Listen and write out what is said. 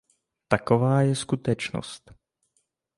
Taková je skutečnost.